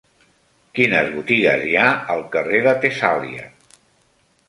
Quines botigues hi ha al carrer de Tessàlia?